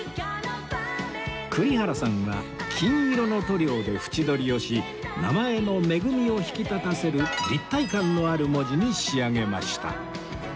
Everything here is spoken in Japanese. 栗原さんは金色の塗料で縁取りをし名前の「恵」を引き立たせる立体感のある文字に仕上げました